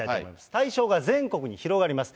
対象が全国に広がります。